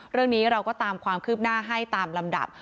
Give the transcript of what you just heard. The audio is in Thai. เรื่องนี้เราก็ตามความคืบหน้าให้ตามลำดับ